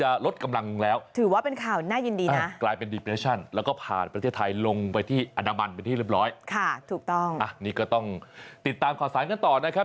อัตราบันเป็นที่ลืมร้อยค่ะถูกต้องนี่ก็ต้องติดตามขอสารกันต่อนะครับ